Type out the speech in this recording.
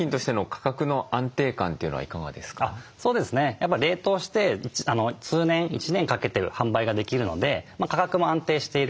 やっぱり冷凍して通年１年かけて販売ができるので価格も安定している。